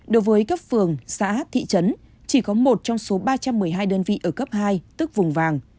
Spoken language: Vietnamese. đối với cấp phường xã thị trấn chỉ có một trong số ba trăm một mươi hai đơn vị ở cấp hai tức vùng vàng